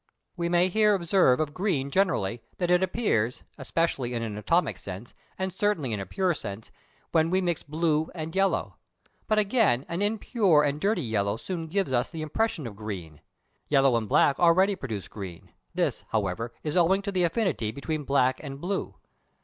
We may here observe of green generally, that it appears, especially in an atomic sense, and certainly in a pure state, when we mix blue and yellow: but, again, an impure and dirty yellow soon gives us the impression of green; yellow and black already produce green; this, however, is owing to the affinity between black and blue.